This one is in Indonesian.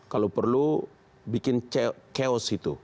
kalau perlu bikin chaos itu